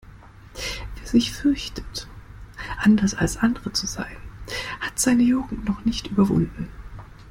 Wer sich fürchtet, anders als andere zu sein, hat seine Jugend noch nicht überwunden.